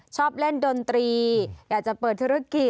ชอบเล่นดนตรีอยากจะเปิดธุรกิจ